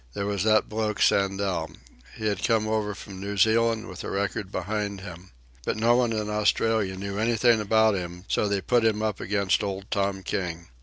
There was that bloke, Sandel. He had come over from New Zealand with a record behind him. But nobody in Australia knew anything about him, so they put him up against old Tom King.